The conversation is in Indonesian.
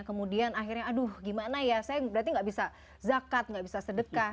kemudian akhirnya aduh gimana ya saya berarti nggak bisa zakat nggak bisa sedekah